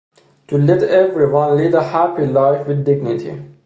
To let everyone lead a happy life with dignity.